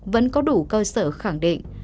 vẫn có đủ cơ sở khẳng định